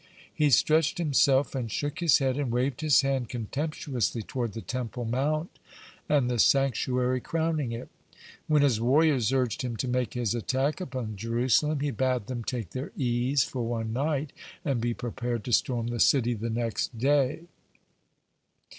He stretched himself and shook his head, and waved his hand contemptuously toward the Temple mount and the sanctuary crowning it. When his warriors urged him to make his attack upon Jerusalem, he bade them take their ease for one night, and be prepared to storm the city the next day.